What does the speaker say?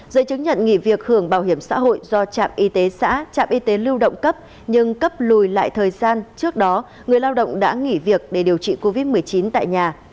giới chứng nhận nghỉ việc hưởng bảo hiểm xã hội do trạm y tế xã trạm y tế lưu động cấp nhưng cấp lùi lại thời gian trước đó người lao động đã nghỉ việc để điều trị covid một mươi chín tại nhà